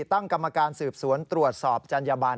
ตั้งกรรมการสืบสวนตรวจสอบจัญญบัน